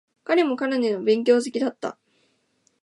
彼もかなりの勉強好きだった。